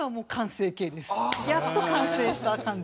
やっと完成した感じで。